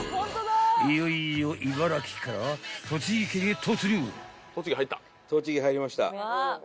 ［いよいよ茨城から栃木県へ突入］